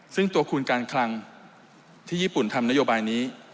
ซึ่งตัวคุณการคลังที่ญี่ปุ่นทำนโยบายนี้